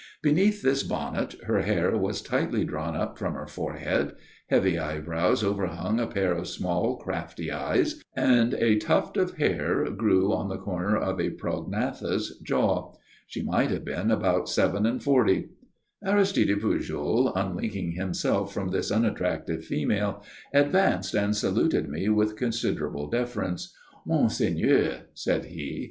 Beneath this bonnet her hair was tightly drawn up from her forehead; heavy eyebrows overhung a pair of small, crafty eyes, and a tuft of hair grew on the corner of a prognathous jaw. She might have been about seven and forty. Aristide Pujol, unlinking himself from this unattractive female, advanced and saluted me with considerable deference. "Monseigneur " said he.